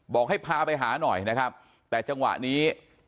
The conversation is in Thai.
บอกให้พาไปหาหน่อยนะครับแต่จังหวะนี้